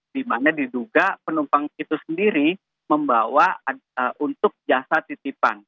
di mana diduga penumpang itu sendiri membawa untuk jasa titipan